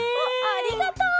ありがとう！